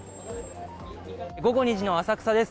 午後２時の浅草です。